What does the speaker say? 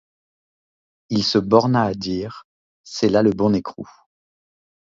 Il se borna à dire: c’est là le bon écrou.